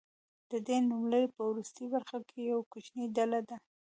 د دې نوملړ په وروستۍ برخه کې یوه کوچنۍ ډله ده.